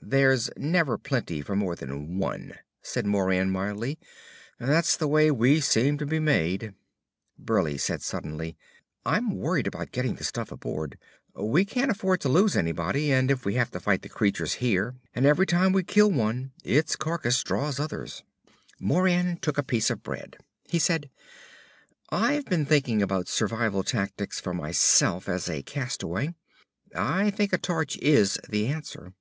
"There's never plenty for more than one," said Moran mildly. "That's the way we seem to be made." Burleigh said suddenly; "I'm worried about getting the stuff aboard. We can't afford to lose anybody, and if we have to fight the creatures here and every time we kill one its carcass draws others." Moran took a piece of bread. He said; "I've been thinking about survival tactics for myself as a castaway. I think a torch is the answer.